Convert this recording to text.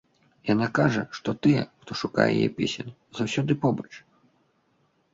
Яна кажа, што тыя, хто шукае яе песень, заўсёды побач.